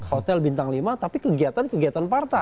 hotel bintang lima tapi kegiatan kegiatan partai